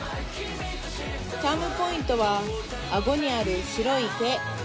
チャームポイントはあごにある白い毛